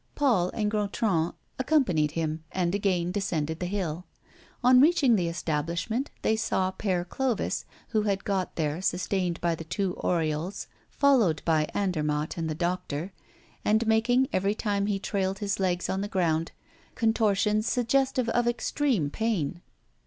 Paul and Gontran accompanied him, and again descended the hill. On reaching the establishment, they saw Père Clovis, who had got there, sustained by the two Oriols, followed by Andermatt and by the doctor, and making, every time he trailed his legs on the ground, contortions suggestive of extreme pain.